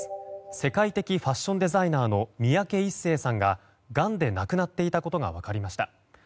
世界的ファッションデザイナーの三宅一生さんががんで亡くなっていたことが分かりました。